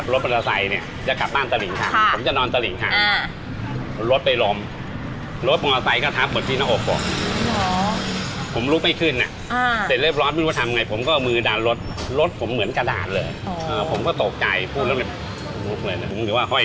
แล้วก็มีตาเท่งด้วย